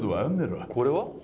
これは？